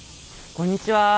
こんにちは。